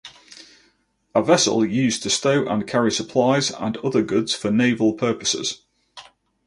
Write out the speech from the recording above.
A vessel used to stow and carry supplies and other goods for naval purposes.